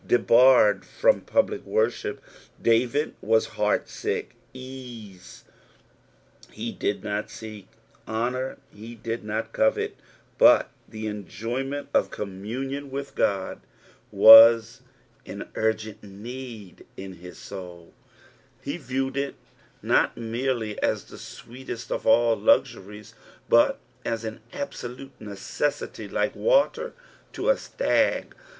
Debarred from public worship, David vcas hcHrt^kk, Ense he did not Mek, hoaour he did not covet, but tlie enjojment of coinmuniun with God waa an urgent need at hia aoul ; he viened it not merely ae the eweetest of all luxuries, but as ttn absolute necessity, like waiter to a. srag.